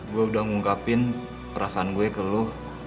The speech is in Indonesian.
gue udah ngungkapin perasaan gue ke lu